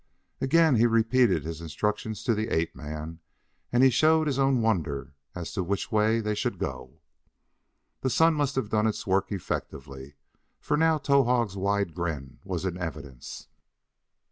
Again he repeated his instructions to the ape man, and he showed his own wonder as to which way they should go. The sun must have done its work effectively, for now Towahg's wide grin was in evidence.